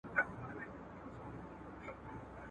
ما نۀ وې چې پۀ لاس کښې یې خنجر دے تا وې نۀ دے